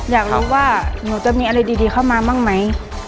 อยากรู้ว่าหนูจะมีอะไรดีเข้ามาบ้างไหม